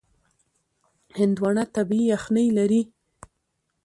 هندوانه طبیعي یخنۍ لري.